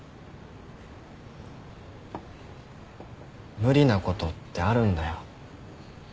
無理なことってあるんだよ。